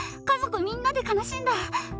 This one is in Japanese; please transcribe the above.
家族みんなで悲しんだ。